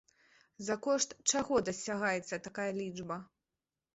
За кошт чаго дасягаецца такая лічба?